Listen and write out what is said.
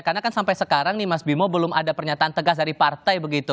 karena kan sampai sekarang nih mas bimo belum ada pernyataan tegas dari partai begitu